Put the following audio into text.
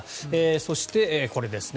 そしてこれですね。